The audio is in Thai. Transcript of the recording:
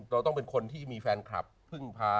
เราต้องเป็นคนที่มีแฟนคลับพึ่งพา